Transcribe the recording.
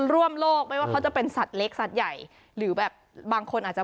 ร่วมโลกไม่ว่าเขาจะเป็นสัตว์เล็กสัตว์ใหญ่หรือแบบบางคนอาจจะ